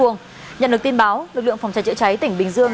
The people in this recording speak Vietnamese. nhận được tin báo lực lượng phòng cháy chữa cháy tỉnh bình dương